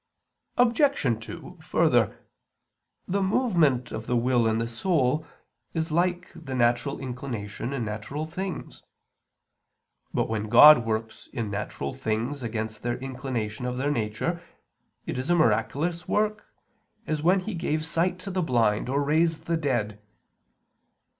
Obj. 2: Further, the movement of the will in the soul is like the natural inclination in natural things. But when God works in natural things against their inclination of their nature, it is a miraculous work, as when He gave sight to the blind or raised the dead.